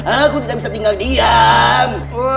aku tidak bisa tinggal diam